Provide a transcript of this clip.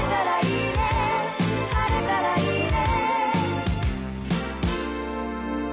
「晴れたらいいね」